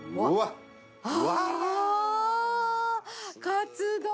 カツ丼！